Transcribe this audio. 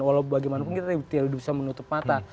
walau bagaimanapun kita tidak bisa menutup mata